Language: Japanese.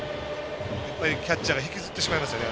キャッチャーが引きずってしまいますよね。